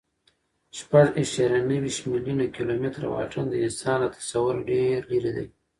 شپږ اعشاریه نهه ویشت میلیونه کیلومتره واټن د انسان له تصوره ډېر لیرې دی.